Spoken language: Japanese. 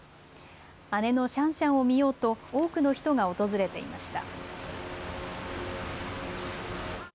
姉のシャンシャンを見ようと多くの人が訪れていました。